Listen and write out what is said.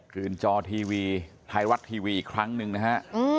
คืนจอทีวีไทยรัฐทีวีอีกครั้งหนึ่งนะฮะ